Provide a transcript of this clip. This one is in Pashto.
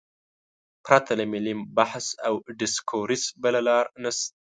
پرته له ملي بحث او ډیسکورس بله لار نشته.